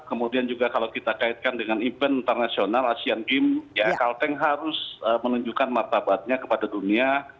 kemudian juga kalau kita kaitkan dengan event internasional asean games ya kalteng harus menunjukkan martabatnya kepada dunia